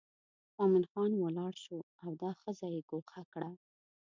مومن خان ولاړ شو او دا ښځه یې ګوښه کړه.